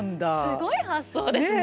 すごい発想ですね。